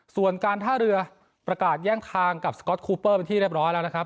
ส่วนการท่าเรือประกาศแย่งทางกับสก๊อตคูเปอร์เป็นที่เรียบร้อยแล้วนะครับ